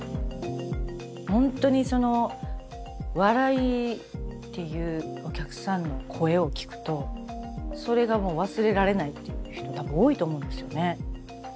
本当にその笑いっていうお客さんの声を聞くとそれがもう忘れられないっていう人多分多いと思うんですよね。